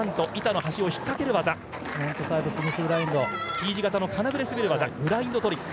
Ｔ字型の金具で滑る技グラインドトリック。